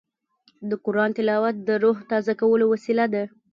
د قرآن تلاوت د روح تازه کولو وسیله ده.